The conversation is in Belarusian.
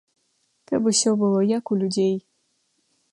Каб усё было як у людзей.